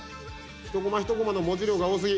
「一コマ一コマの文字量が多すぎ」。